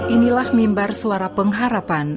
inilah mimbar suara pengharapan